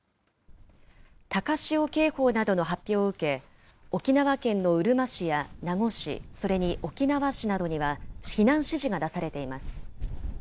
高潮警報などの発表を受け、沖縄県のうるま市や名護市、それに沖縄市などには、避難指示が出されています。